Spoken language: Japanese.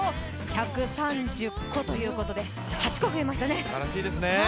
１３０個ということで、８個増えましたね。